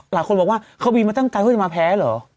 หลายคนบอกว่าเขาบีมาตั้งใจว่าจะมาแพ้เหรอ